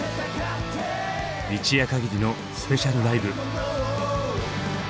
一夜限りのスペシャルライブ！